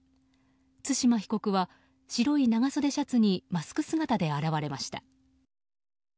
対馬被告は、白い長袖シャツにマスク姿で現れました。